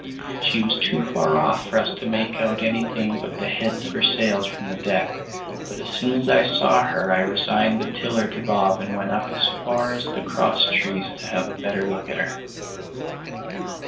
She was too far off for us to make out anything but the heads of her sails from the deck, but as soon as I saw her I resigned the tiller to Bob and went up as far as the cross trees to have a better look at her.